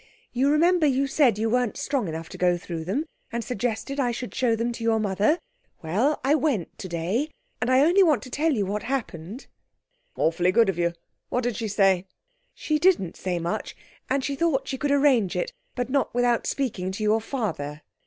You remember you said you weren't strong enough to go through them, and suggested I should show them to your mother? Well, I went today, and I only want to tell you what happened.' 'Awfully good of you. What did she say?' 'She didn't say much, and she thought she could arrange it, but not without speaking to your father.'